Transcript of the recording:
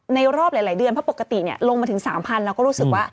ในรอบหลายเดือนเพราะปกติเนี่ยลงมาถึง๓๐๐๐เราก็รู้สึกว่าต่ำแล้ว